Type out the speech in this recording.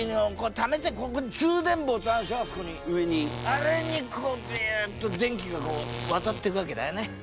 あれにこうビュッと電気がこう渡ってくわけだよね。